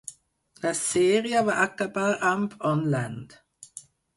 La sèrie va acabar amb "On Land".